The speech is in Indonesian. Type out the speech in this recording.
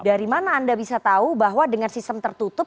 dari mana anda bisa tahu bahwa dengan sistem tertutup